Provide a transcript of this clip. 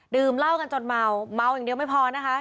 ดื่มเหล้ากันจนเมาเมาอย่างเดียวไม่พอนะคะ